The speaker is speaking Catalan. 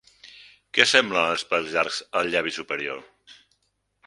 Què semblen els pèls llargs al llavi superior?